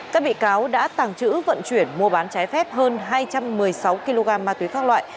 các bị cáo đã tàng trữ vận chuyển mua bán trái phép hơn hai trăm một mươi sáu kg ma túy các loại